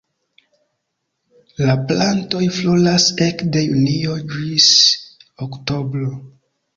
La plantoj floras ekde junio ĝis oktobro.